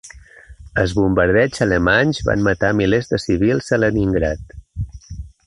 Els bombardeigs alemanys van matar milers de civils a Leningrad.